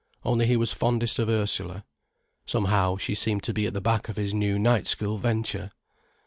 Only he was fondest of Ursula. Somehow, she seemed to be at the back of his new night school venture.